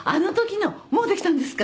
もうできたんですか？